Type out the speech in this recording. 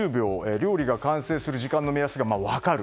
料理が完成する時間の目安が分かる。